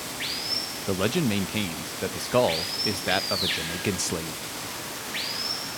The legend maintains that the skull is that of a Jamaican slave.